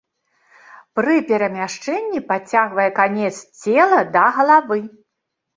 Пры перамяшчэнні падцягвае канец цела да галавы.